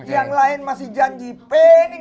yang lain masih janji pening aku tante